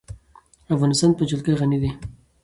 افغانستان په جلګه غني دی.